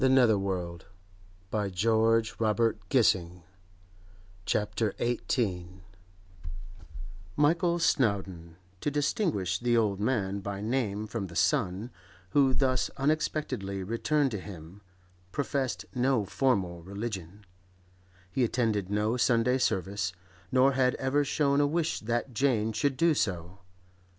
CHAPTER XVIII THE JOKE IS COMPLETED Michael Snowdon—to distinguish the old man by name from the son who thus unexpectedly returned to him—professed no formal religion. He attended no Sunday service, nor had ever shown a wish that Jane should do so.